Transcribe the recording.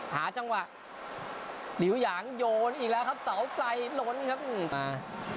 หาจังหวะหลิวหยางโยนอีกแล้วครับเสาไกลล้นครับอ่า